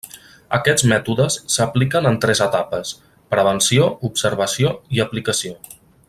Aquests mètodes s'apliquen en tres etapes: prevenció, observació i aplicació.